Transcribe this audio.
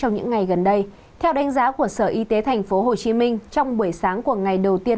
những ngày gần đây theo đánh giá của sở y tế tp hcm trong buổi sáng của ngày đầu tiên